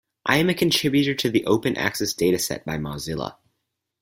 I am a contributor to the open access dataset by Mozilla.